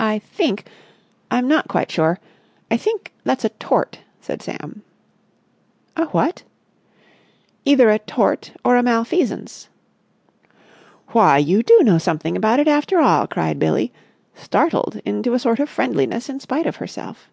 "I think—I'm not quite sure—I think that's a tort," said Sam. "A what?" "Either a tort or a malfeasance." "Why, you do know something about it after all!" cried Billie, startled into a sort of friendliness in spite of herself.